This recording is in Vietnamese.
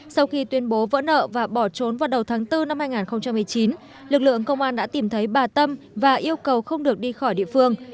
sau khi tuyên bố vỡ nợ và bỏ trốn vào đầu tháng bốn năm hai nghìn một mươi chín lực lượng công an đã tìm thấy bà tâm và yêu cầu không được đi khỏi địa phương